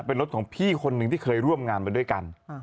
เป็นรถของพี่คนหนึ่งที่เคยร่วมงานมาด้วยกัน